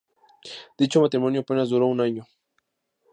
Dicho matrimonio apenas duró un año.